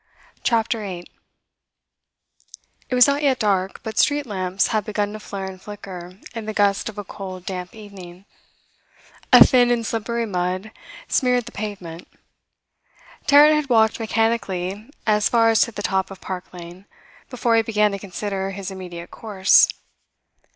CHAPTER 8 It was not yet dark, but street lamps had begun to flare and flicker in the gust of a cold, damp evening. A thin and slippery mud smeared the pavement. Tarrant had walked mechanically as far as to the top of Park Lane before he began to consider his immediate course.